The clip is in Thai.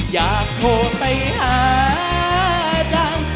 อยากโทรไปหาจัง